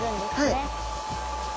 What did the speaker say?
はい。